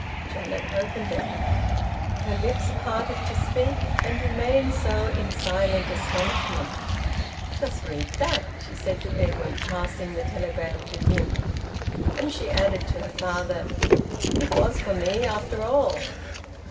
Janet opened it. Her lips parted to speak, and remained so in silent astonishment. "Just read that!" she said to Edwin, passing the telegram to him; and she added to her father: "It was for me, after all."